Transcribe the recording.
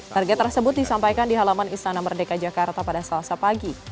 target tersebut disampaikan di halaman istana merdeka jakarta pada selasa pagi